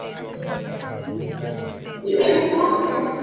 Hai na cawk. .